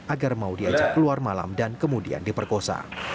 agar mau diajak keluar malam dan kemudian diperkosa